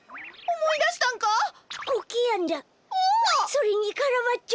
それにカラバッチョ！